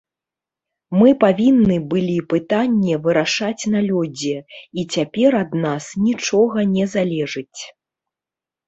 Мы павінны былі пытанне вырашаць на лёдзе, і цяпер ад нас нічога не залежыць.